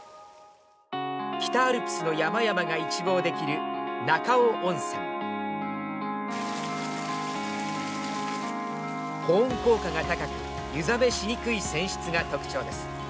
北アルプスの山々が一望できる中尾温泉保温効果が高く湯冷めしにくい泉質が特徴です。